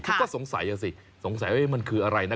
คือก็สงสัยอ่ะสิสงสัยว่ามันคืออะไรนะ